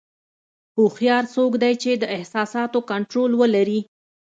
هوښیار څوک دی چې د احساساتو کنټرول ولري.